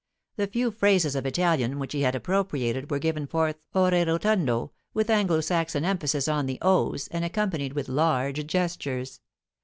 The few phrases of Italian which he had appropriated were given forth ore rotundo, with Anglo saxon emphasis on the o's, and accompanied with large gestures.